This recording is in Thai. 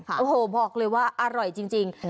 โอ้โหบอกเลยว่าอร่อยจริง